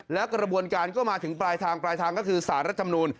แล้วกระบวนการก็มาถึงปลายทางปลายทางก็คือสารรัฐธรรมนูล